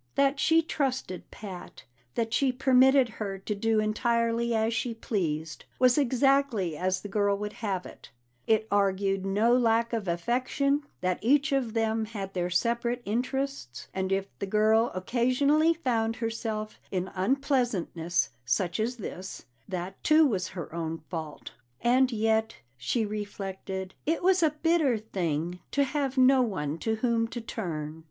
That she trusted Pat, that she permitted her to do entirely as she pleased, was exactly as the girl would have it; it argued no lack of affection that each of them had their separate interests, and if the girl occasionally found herself in unpleasantness such as this, that too was her own fault. And yet, she reflected, it was a bitter thing to have no one to whom to turn.